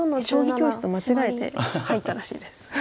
将棋教室と間違えて入ったらしいです。